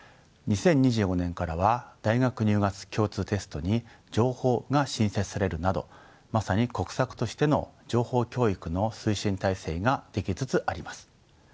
２０２５年からは大学入学共通テストに情報が新設されるなどまさに国策としての情報教育の推進体制が出来つつあります。